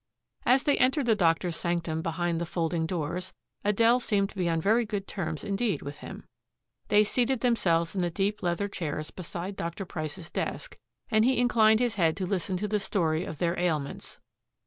As they entered the doctor's sanctum behind the folding doors, Adele seemed to be on very good terms indeed with him. They seated themselves in the deep leather chairs beside Dr. Price's desk, and he inclined his head to listen to the story of their ailments.